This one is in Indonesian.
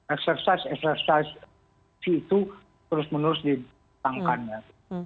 eksersis eksersis itu terus menerus ditangkannya